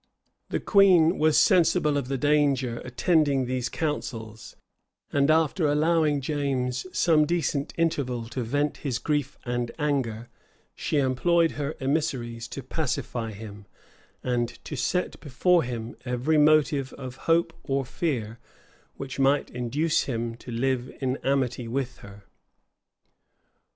The queen was sensible of the danger attending these counsels; and after allowing James some decent interval to vent his grief and anger, she employed her emissaries to pacify him, and to set before him every motive of hope or fear which might induce him to live in amity with her.